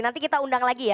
nanti kita undang lagi ya